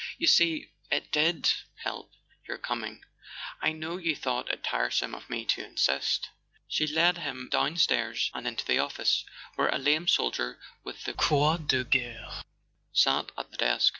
"You see, it did help, your coming. I know you thought it tiresome of me to insist." She led him down¬ stairs and into the office, where a lame officer with the Croix de Guerre sat at the desk.